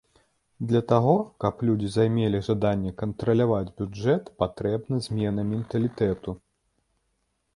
Для таго, каб людзі займелі жаданне кантраляваць бюджэт, патрэбна змена менталітэту.